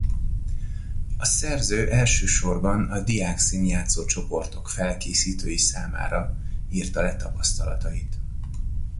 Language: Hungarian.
A szerző elsősorban a diákszínjátszó csoportok felkészítői számára írta le tapasztalatait.